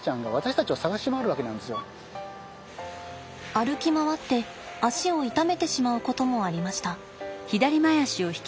歩き回って肢を傷めてしまうこともありました。